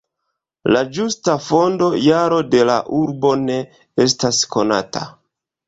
La ĝusta fondo-jaro de la urbo ne estas konata.